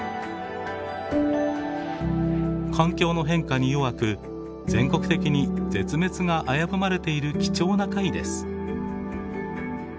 環境の変化に弱く全国的に絶滅が危ぶまれている貴重な貝です。